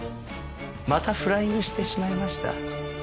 またフライングしてしまいました。